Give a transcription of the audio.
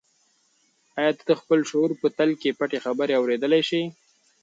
آیا ته د خپل شعور په تل کې پټې خبرې اورېدلی شې؟